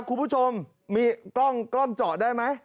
คุณผู้ชมมีกล้องเจาะได้ไหม